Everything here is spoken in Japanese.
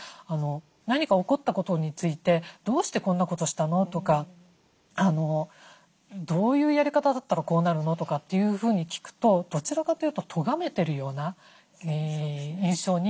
何か起こったことについて「どうしてこんなことしたの？」とか「どういうやり方だったらこうなるの？」とかっていうふうに聞くとどちらかというととがめてるような印象になってしまうことがあるので。